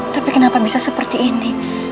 tapi kenapa bisa seperti ini